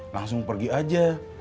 langsung pergi aja